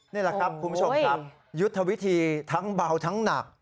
นี่แหละครับคุณผู้ชมครับยุทธวิธีทั้งเบาทั้งหนัก